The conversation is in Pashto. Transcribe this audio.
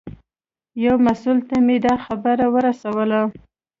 یو مسوول ته مې دا خبره ورسوله.